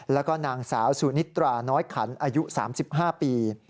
แล้วก็นางสาวสุนิตราน้อยขันอายุ๓๕ปี